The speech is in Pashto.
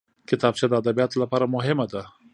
کتابچه د ادبیاتو لپاره مهمه ده